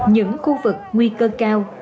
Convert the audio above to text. những khu vực nguy cơ cao